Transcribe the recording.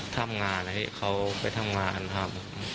ทำงานเขาไปทำงานครับ